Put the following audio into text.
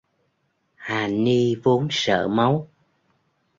Hà ni vốn sợ máu